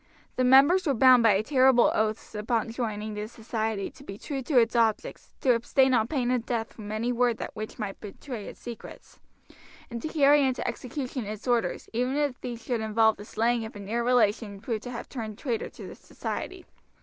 The members were bound by terrible oaths upon joining the society to be true to its objects, to abstain on pain of death from any word which might betray its secrets, and to carry into execution its orders, even if these should involve the slaying of a near relation proved to have turned traitor to the society.